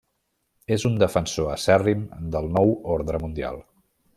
És un defensor acèrrim del nou ordre mundial.